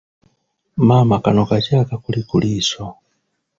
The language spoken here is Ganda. Maama kano kaki akakuli ku liiso?